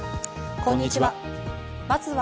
こんにちは。